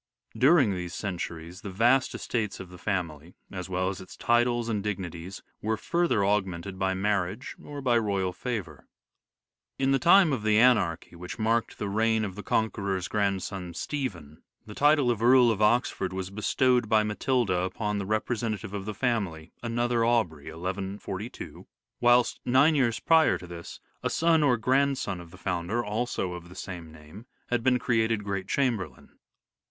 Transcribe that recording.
During these centuries the vast estates of the family, as well as its titles and dignities, were further aug mented by marriage or by royal favour. In the time of the anarchy which marked the reign of the Conqueror's grandson Stephen, the title of Earl of Oxford was bestowed by Matilda upon the repre sentative of the family, another Aubrey (1142), whilst nine years prior to this a son or grandson of the founder, also of the same name, had been created Great Chamberlain.